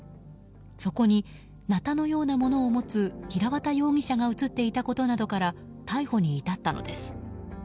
そこに、ナタのようなものを持つ平綿容疑者が映っていたことなどから逮捕に至ったのです。